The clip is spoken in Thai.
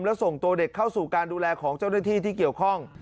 และส่งตัวเด็กเข้าสู่การดูแลของเจ้าหน้าที่ที่เกี่ยวข้อง